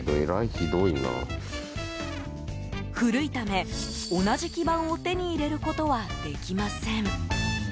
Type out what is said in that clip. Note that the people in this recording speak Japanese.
古いため、同じ基盤を手に入れることはできません。